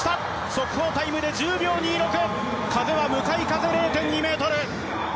速報タイムで１０秒２６風は向かい風、０．２メートル。